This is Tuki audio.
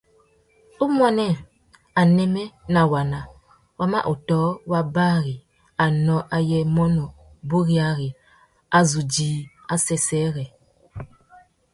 Umuênê, anêmê nà waná wa mà ôtō wa bari anô ayê mônô buriyari a zu djï assêssêrê.